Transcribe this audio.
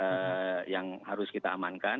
ada yang harus kita amankan